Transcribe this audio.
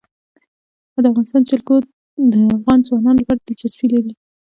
د افغانستان جلکو د افغان ځوانانو لپاره دلچسپي لري.